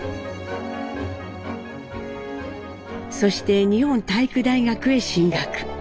そして日本体育大学へ進学。